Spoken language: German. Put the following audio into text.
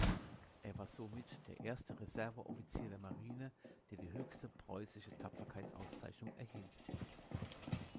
Er war somit der erste Reserveoffizier der Marine, der die höchste preußische Tapferkeitsauszeichnung erhielt.